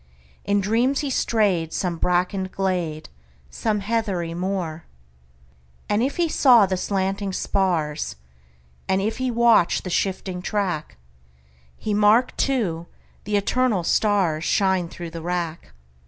In dreams he strayed some brackened glade, Some heathery moor. And if he saw the slanting spars, And if he watched the shifting track, He marked, too, the eternal starsShine through the wrack.